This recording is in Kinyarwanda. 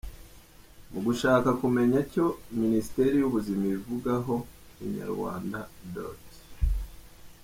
Mu gushaka kumenya icyo Minisiteri y’Ubuzima ibivugaho, inyarwanda.